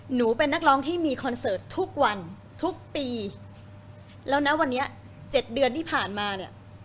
หนูเป็นนักร้องที่มีคอนเสิร์ตทุกวันทุกปีแล้วนะวันนี้เจ็ดเดือนที่ผ่านมาเนี่ย